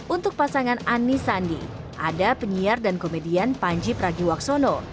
untuk pasangan anis sandi ada penyiar dan komedian panji pragiwaksono